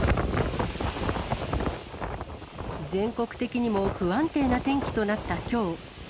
全国的にも不安定な天気となったきょう。